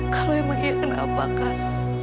kalau emang iya kenapa kan